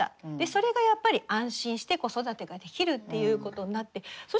それがやっぱり安心して子育てができるっていうことになってそ